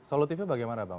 solutifnya bagaimana bang